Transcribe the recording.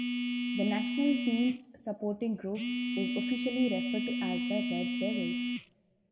The national team's supporting group is officially referred to as the Red Devils.